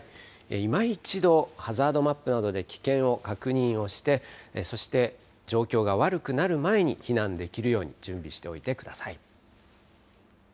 今一度ハザードマップなどで危険を確認をして、そして状況が悪くなる前に避難できるように準備しておいてください。